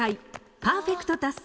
パーフェクト達成。